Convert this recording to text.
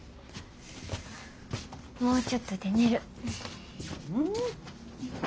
もうちょっとで寝る。